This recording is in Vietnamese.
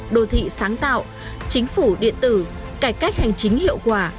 đô thị sáng tạo chính phủ điện tử cải cách hành chính hiệu quả